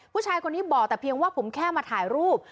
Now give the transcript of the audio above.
ผู้ชายคนนี้บอกแต่เพียงว่าผมแค่มาถ่ายรูป